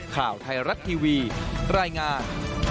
ข่าวไทยรัฐทีวีรายงาน